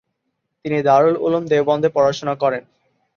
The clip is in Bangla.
তিনি দারুল উলুম দেওবন্দে পড়াশোনা করেন।